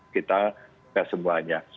kita tes semuanya